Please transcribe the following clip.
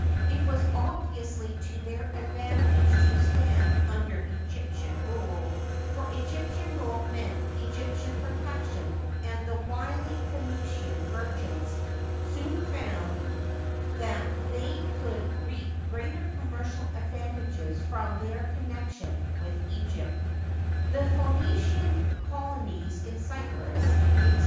It was obviously to their advantage to stand under Egyptian rule, for Egyptian rule meant Egyp tian protection, and the wily Phoenician merchants soon found that they could reap great commercial advantages from their connection with Egypt The Phoenician colo nies in Cyprus (Eg.